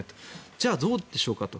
じゃあどうしようかと。